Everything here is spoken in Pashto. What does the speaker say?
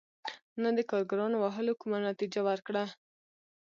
نه د کارګرانو وهلو کومه نتیجه ورکړه.